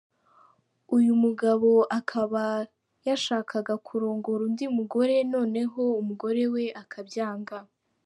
Uyu mugabo akaba yashakaga kurongora undi mugore, noneho umugore we akabyanga.